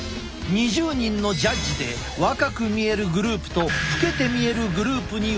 ２０人のジャッジで若く見えるグループと老けて見えるグループに分けた。